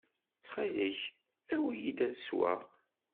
Ttxil-k, awi-yi-d ad sweɣ.